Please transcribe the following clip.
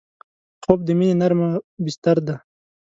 خوب د مینې نرمه بستر ده